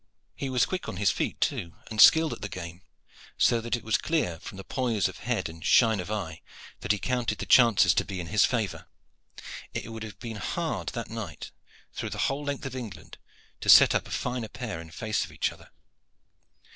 He was quick on his feet, too, and skilled at the game; so that it was clear, from the poise of head and shine of eye, that he counted the chances to be in his favor. It would have been hard that night, through the whole length of England, to set up a finer pair in face of each other.